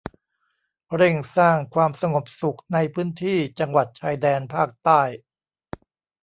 เร่งสร้างความสงบสุขในพื้นที่จังหวัดชายแดนภาคใต้